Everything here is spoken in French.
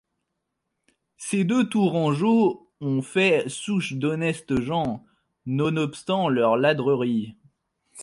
Ces deux Tourangeaulx ont faict souche d’honnestes gens, nonobstant leurs ladreries.